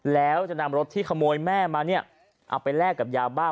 แล้วจะนำรถที่ขโมยแม่มาเนี่ยเอาไปแลกกับยาบ้า